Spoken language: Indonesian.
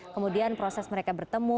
kemudian proses mereka bertemu